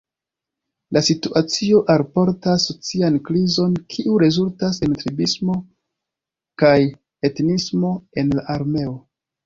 La situacio alportas socian krizon, kiu rezultas en tribismo kaj etnismo en la armeo.